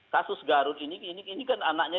kasus garut ini ini kan anaknya